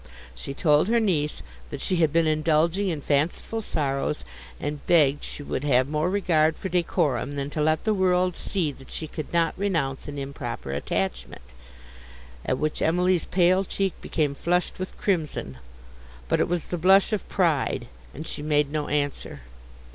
She told her niece, that she had been indulging in fanciful sorrows, and begged she would have more regard for decorum, than to let the world see that she could not renounce an improper attachment; at which Emily's pale cheek became flushed with crimson, but it was the blush of pride, and she made no answer.